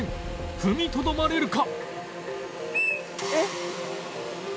踏みとどまれるか？